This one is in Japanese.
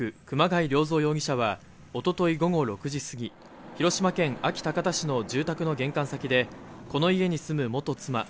熊谷良三容疑者はおととい午後６時過ぎ広島県安芸高田市の住宅の玄関先でこの家に住む元妻